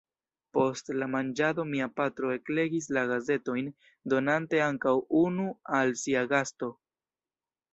Post la manĝado mia patro eklegis la gazetojn, donante ankaŭ unu al sia gasto.